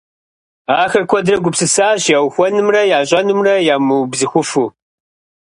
Ахэр куэдрэ гупсысащ яухуэнумрэ ящӏэнумрэ ямыубзыхуфу.